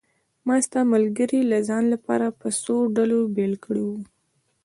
ما ستا ملګري د ځان لپاره په څو ډلو بېل کړي وو.